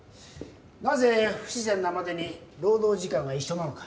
なぜ不自然なまでに労働時間が一緒なのか